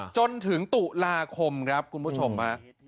จนถึงตุลาคมครับคุณผู้ชมฮะ